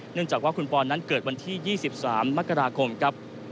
จากว่าคุณปอนนั้นเกิดวันที่๒๓มกราคมครับ